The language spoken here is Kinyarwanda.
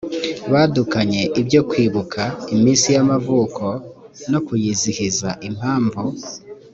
badukanye ibyo kwibuka iminsi y amavuko no kuyizihiza impamvu